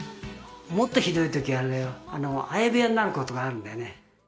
もっとひどいときはあれだよ相部屋になることがあるんだよね。